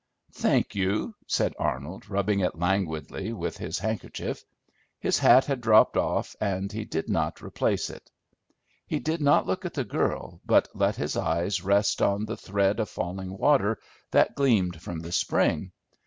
"Thank you," said Arnold, rubbing it languidly with his handkerchief. His hat had dropped off, and he did not replace it; he did not look at the girl, but let his eyes rest on the thread of falling water that gleamed from the spring.